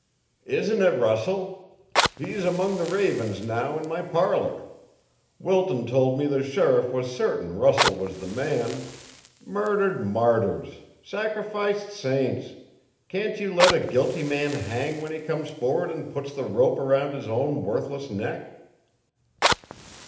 "Isn't it Russell? He's among the ravens now, in my parlour. Wilton told me the sheriff was certain Russell was the man. Murdered martyrs! Sacrificed saints! Can't you let a guilty man hang when he comes forward and puts the rope around his own worthless neck?"